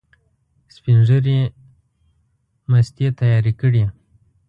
سپین ږیري مستې تیارې کړې.